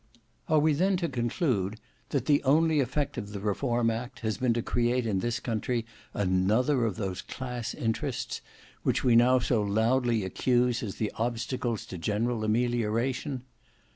Are we then to conclude, that the only effect of the Reform Act has been to create in this country another of those class interests, which we now so loudly accuse as the obstacles to general amelioration?